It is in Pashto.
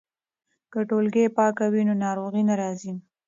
که ټولګې پاکه وي نو ناروغي نه راځي.